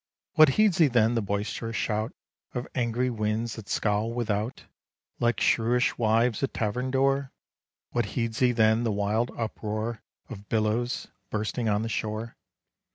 What heeds he then the boisterous shout Of angry winds that scowl without, Like shrewish wives at tavern door? What heeds he then the wild uproar Of billows bursting on the shore?